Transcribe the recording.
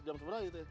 jam seberapa teteh